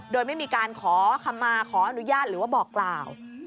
โดยไม่มีการขอคำมาขออนุญาตหรือว่าบอกกล่าว